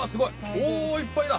おぉいっぱいだ！